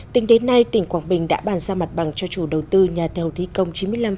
tính đến nay tỉnh quảng bình đã bàn giao mặt bằng cho chủ đầu tư nhà tàu thi công chín mươi năm một mươi ba